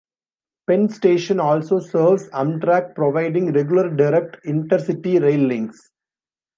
Penn Station also serves Amtrak, providing regular direct inter-city rail links.